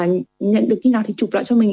nhận được khi nào thì chụp lại cho mình